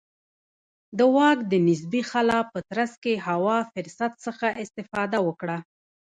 د واک د نسبي خلا په ترڅ کې هوا فرصت څخه استفاده وکړه.